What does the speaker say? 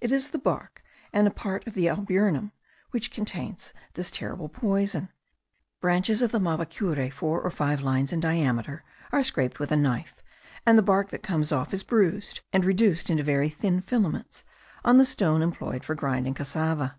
It is the bark and a part of the alburnum which contain this terrible poison. Branches of the mavacure four or five lines in diameter are scraped with a knife, and the bark that comes off is bruised, and reduced into very thin filaments on the stone employed for grinding cassava.